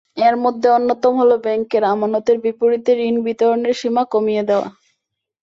এর মধ্যে অন্যতম হলো ব্যাংকের আমানতের বিপরীতে ঋণ বিতরণের সীমা কমিয়ে দেওয়া।